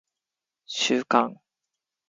収監